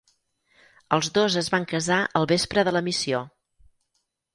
Els dos es van casar el vespre de la missió.